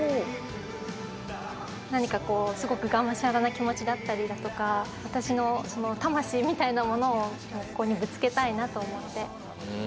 何かこうすごくがむしゃらな気持ちだったりだとか私の魂みたいなものをここにぶつけたいなと思って。